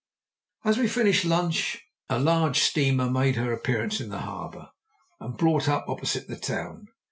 As we finished lunch a large steamer made her appearance in the harbour, and brought up opposite the town.